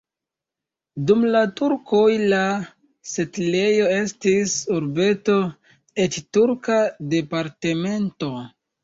Dum la turkoj la setlejo estis urbeto, eĉ turka departemento.